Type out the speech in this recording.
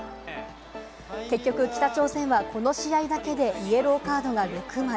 結局、北朝鮮はこの試合だけでイエローカードが６枚。